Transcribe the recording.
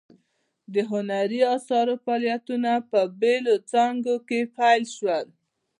د هنري اثارو فعالیتونه په بیلو څانګو کې پیل شول.